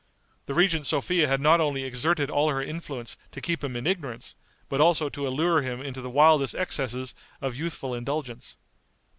The regent Sophia had not only exerted all her influence to keep him in ignorance, but also to allure him into the wildest excesses of youthful indulgence.